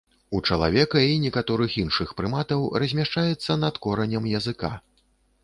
У чалавека і некаторых іншых прыматаў размяшчаецца над коранем языка.